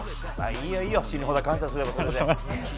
いいよ、死ぬほど感謝すれば。